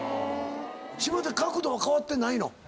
島崎角度は変わってないの？